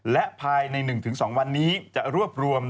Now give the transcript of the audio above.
และภายใน๑๒วันนี้จะรวบรวม